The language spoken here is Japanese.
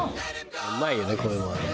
うまいよねこういうのはね。